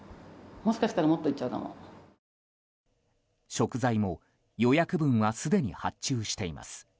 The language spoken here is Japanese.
食材も、予約分はすでに発注しています。